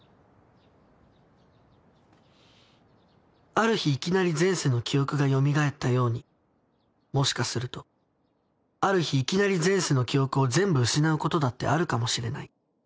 「ある日いきなり前世の記憶が蘇ったようにもしかするとある日いきなり前世の記憶をぜんぶ失うことだってあるかもしれない。